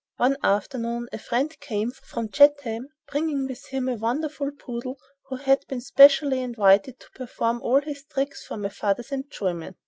One afternoon a friend came from Chatham bringing with him a wonderful poodle who had been specially invited to perform all his tricks for my father's enjoyment.